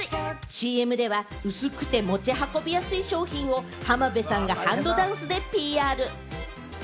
ＣＭでは薄くて持ち運びやすい商品を浜辺さんがハンドダンスでＰＲ。